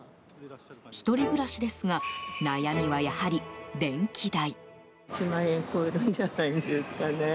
１人暮らしですが悩みは、やはり電気代。